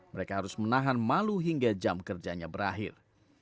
mereka harus menahan malu hingga jam kerjanya berakhir